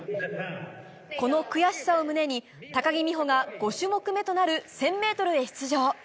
この悔しさを胸に、高木美帆が５種目目となる１０００メートルへ出場。